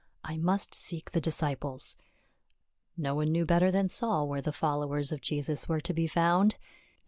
" I must seek the disciples." No one knew better than Saul where the followers of Jesus were to be found.